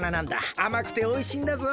あまくておいしいんだぞ。